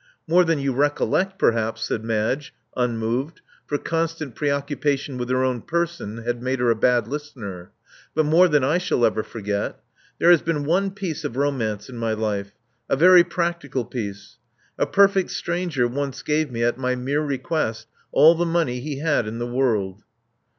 *' More than you recollect, perhaps," said Madge, unmoved (for constant preoccupation with her own person had made her a bad listener), but more than I shall ever forget. There has been one piece of romance in my life — a very practical piece. A per fect stranger once gave me, at my mere request, all the money he had in the world."